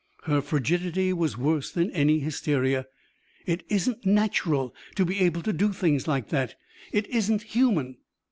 Her frigidity was worse than any hysteria. "It isn't natural to be able to do things like that. It isn't human."